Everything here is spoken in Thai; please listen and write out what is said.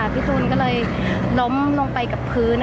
พี่ตูนก็เลยล้มลงไปกับพื้น